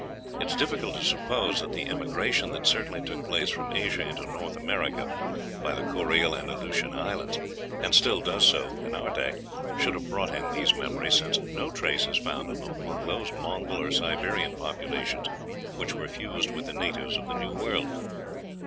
It is difficult to suppose that the emigration that certainly took place from Asia into North America by the Kourile and Aleutian Islands, and still does so in our day, should have brought in these memories, since no trace is found of them among those Mongol or Siberian populations which were fused with the natives of the New World....